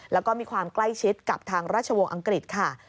แล้วก็มีความใกล้ชิดกับทางราชวงศ์อังกฤษค่ะ